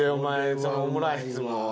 そのオムライスも。